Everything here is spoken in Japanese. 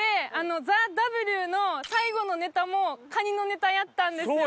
『ＴＨＥＷ』の最後のネタもカニのネタやったんですよ。